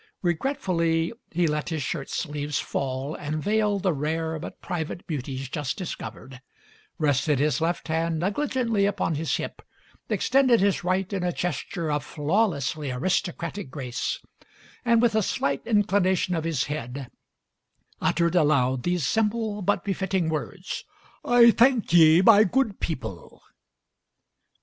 Regretfully, he let his shirtsleeves fall and veil the rare but private beauties just discovered, rested his left hand negli gently upon his hip, extended his right in a gesture of flawlessly aristocratic grace, and, with a slight inclination of his head, uttered aloud these simple Digitized by Google MARY SMITH 131 but befitting words: "I thank ye, my good people."